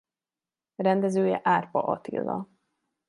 Rendezője Árpa Attila.